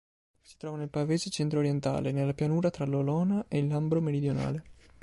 Si trova nel Pavese centro-orientale, nella pianura tra l'Olona e il Lambro meridionale.